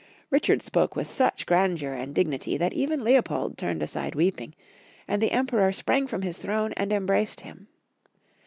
Richard spoke with such grandeur and dignity that even Leopold turned aside weeping, and the Em peror sprang from liLj throne and embraced llim.